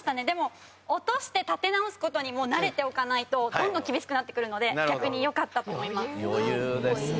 でも落として立て直す事にも慣れておかないとどんどん厳しくなってくるので逆によかったと思います。